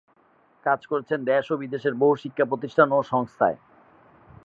কাজ করেছেন দেশ ও বিদেশের বহু শিক্ষাপ্রতিষ্ঠান ও সংস্থায়।